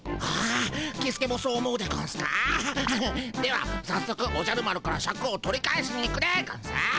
はさっそくおじゃる丸からシャクを取り返しに行くでゴンス。